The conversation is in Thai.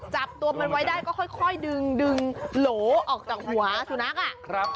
จับตัวมันไว้ได้ก็ค่อยดึงดึงโหลออกจากหัวสุนัขอ่ะ